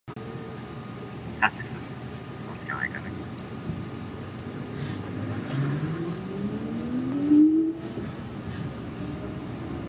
春の訪れとともに桜の花が咲き誇り、街を華やかに彩る。花見のシーズンになると、人々は公園でお弁当を広げ、美しい桜の下で楽しいひとときを過ごす。